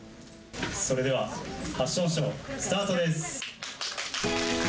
それではファッションショー、スタートです。